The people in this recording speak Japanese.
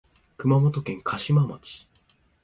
熊本県嘉島町